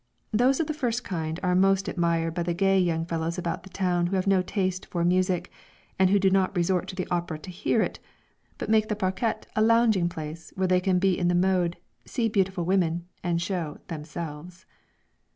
Those of the first kind are most admired by the gay young fellows about town who have no taste for music, and who do not resort to the opera to hear it, but make the parquette a lounging place where they can be in the mode, see beautiful women, and show themselves.